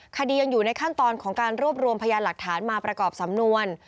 คดียังอยู่ในขั้นตอนของการรวบรวมพยานหลักฐานมาประกอบสำนวน